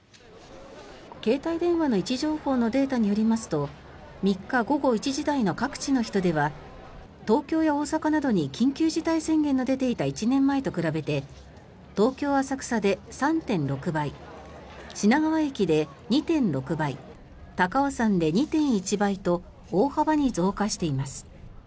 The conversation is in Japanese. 携帯電話の位置情報のデータによりますと３日午後１時台の各地の人出は東京や大阪などに緊急事態宣言の出ていた１年前と比べて東京・浅草で３．６倍品川駅で２．６倍高尾山で２．１倍と大幅に増加しています。